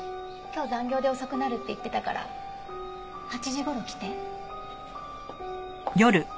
今日残業で遅くなるって言ってたから８時頃来て。